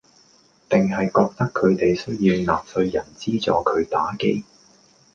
定係覺得佢哋需要納稅人資助佢打機